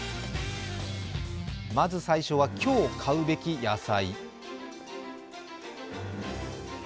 まず最初は今日買うべき野菜。